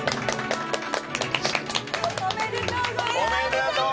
おめでとうございます。